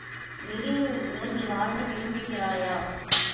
நெறியுடன் நீ வாழ விரும்புகிறாயா?